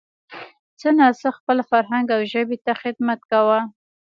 څه نا څه خپل فرهنګ او ژبې ته خدمت کومه